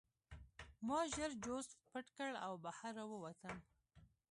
ما ژر جوزف پټ کړ او بهر راووتم